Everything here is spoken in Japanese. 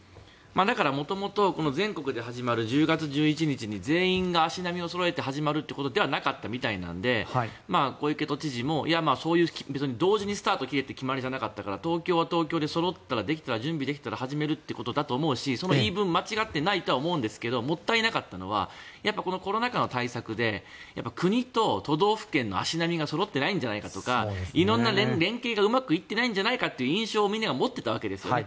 だから元々、全国で始まる１０月１１日に全員が足並みをそろえて始まるということではなかったみたいなので小池都知事も、そういう別に同時にスタートを切れという決まりじゃなかったから東京は東京で準備できたら始めるということだと思うしその言い分は間違ってないとは思うんですけどもったいなかったのはこのコロナ禍の対策で国と都道府県の足並みがそろっていないんじゃないかとか色んな連携がうまくいってないんじゃないかという印象をみんなが持っていたわけですよね。